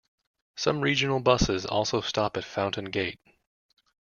Some regional buses also stop at Fountain Gate.